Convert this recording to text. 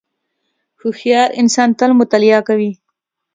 • هوښیار انسان تل مطالعه کوي.